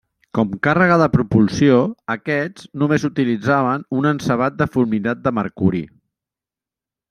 Com càrrega de propulsió aquests només utilitzaven un encebat de fulminat de mercuri.